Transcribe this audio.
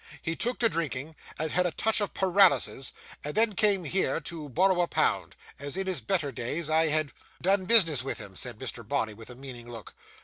He took to drinking, and had a touch of paralysis, and then came here to borrow a pound, as in his better days I had ' 'Done business with him,' said Mr. Bonney with a meaning look.